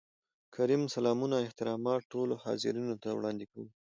کريم : سلامونه احترامات ټولو حاضرينو ته وړاندې کوم.